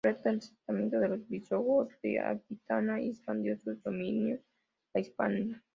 Completó el asentamiento de los visigodos en Aquitania y expandió sus dominios a Hispania.